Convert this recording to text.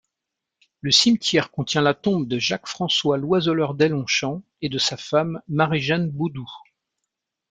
Le cimetière contient la tombe de Jacques-François Loiseleur-Deslongschamps et de sa femme Marie-Jeanne Boudou.